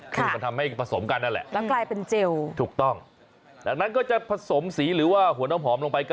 ซึ่งทำให้ผสมกันนั่นแหละถูกต้องดังนั้นก็จะผสมสีหรือว่าหัวน้ำผอมลงไปกัน